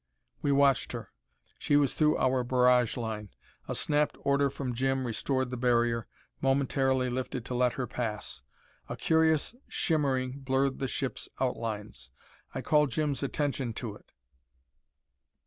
We watched her. She was through our barrage line. A snapped order from Jim restored the barrier, momentarily lifted to let her pass. A curious shimmering blurred the ship's outlines. I called Jim's attention to it.